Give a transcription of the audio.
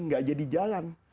tidak jadi jalan